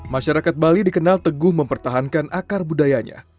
masyarakat bali dikenal teguh mempertahankan akar budayanya